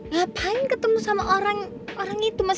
ngapain ketemu sama orang itu mas